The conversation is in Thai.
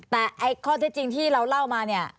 แต่ข้อเท็จจริงที่เราเล่ามาเนี่ย